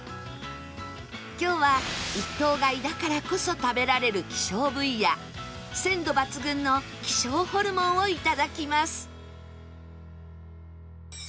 今日は一頭買いだからこそ食べられる希少部位や鮮度抜群の希少ホルモンをいただきます